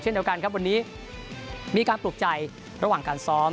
เดียวกันครับวันนี้มีการปลูกใจระหว่างการซ้อม